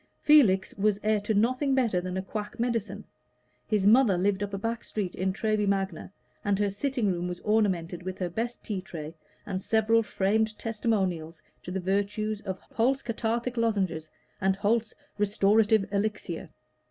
Felix was heir to nothing better than a quack medicine; his mother lived up a back street in Treby Magna, and her sitting room was ornamented with her best tea tray and several framed testimonials to the virtues of Holt's Cathartic Lozenges and Holt's Restorative Elixir.